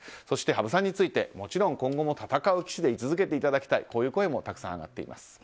そして、羽生さんについてもちろん今後も戦う棋士でい続けていただきたいという声もたくさん上がっています。